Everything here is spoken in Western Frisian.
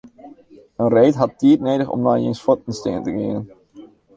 In reed hat tiid nedich om nei jins fuotten stean te gean.